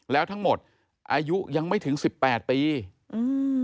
แล้วทั้งหมดอายุยังไม่ถึงสิบแปดปีอืม